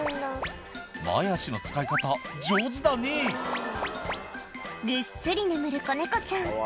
前足の使い方上手だねぐっすり眠る子猫ちゃん